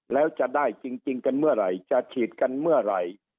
แล้วจะได้จริงกันเมื่อไหร่จะฉีดกันเมื่อไหร่